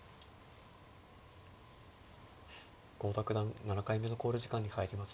郷田九段７回目の考慮時間に入りました。